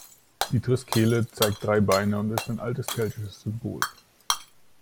Die Triskele zeigt drei Beine und ist ein altes keltisches Symbol.